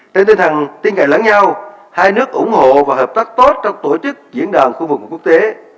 trên tinh thần tin cậy lẫn nhau hai nước ủng hộ và hợp tác tốt trong tổ chức diễn đàn khu vực quốc tế